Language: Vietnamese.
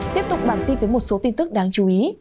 tiếp tục bản tin với một số tin tức đáng chú ý